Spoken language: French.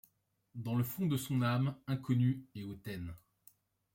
Dans le fond de son âme inconnue et hautaine